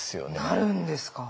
なるんですか。